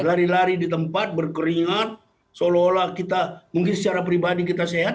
lari lari di tempat berkeringat seolah olah kita mungkin secara pribadi kita sehat